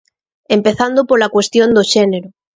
Empezando pola cuestión do xénero.